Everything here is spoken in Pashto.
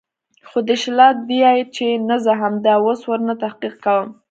خو دى شله ديه چې نه زه همدا اوس ورنه تحقيق کوم.